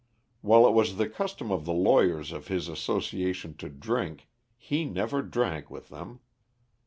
While it was the custom of the lawyers of his association to drink, he never drank with them.